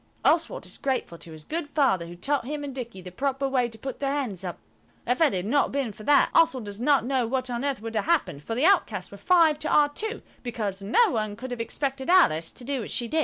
Oswald is grateful to his good Father who taught him and Dicky the proper way to put their hands up. If it had not been for that, Oswald does not know what on earth would have happened, for the outcasts were five to our two, because no one could have expected Alice to do what she did.